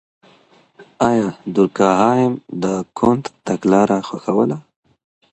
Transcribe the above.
آيا دورکهايم د کُنت تګلاره خوښوله؟